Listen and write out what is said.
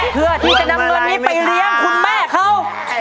เพื่อที่จะนำเงินนี้ไปเลี้ยงคุณแม่เขา